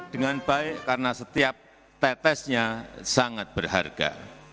dengan baik karena setiap tetesnya sangat berharga